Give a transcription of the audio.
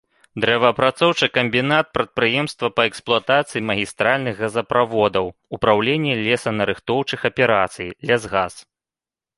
Дрэваапрацоўчы камбінат, прадпрыемства па эксплуатацыі магістральных газаправодаў, упраўленне лесанарыхтоўчых аперацый, лясгас.